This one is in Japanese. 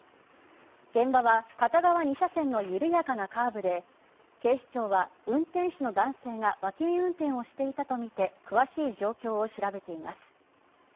現場は片側２車線の緩やかなカーブで警視庁は、運転手の男性が脇見運転をしていたとみて詳しい状況を調べています。